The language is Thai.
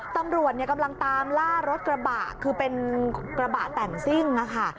ตำรวจกำลังตามล่ารถกระบะคือเป็นกระบะแต่งซิ่งค่ะ